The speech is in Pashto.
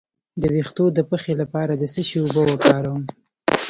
د ویښتو د پخې لپاره د څه شي اوبه وکاروم؟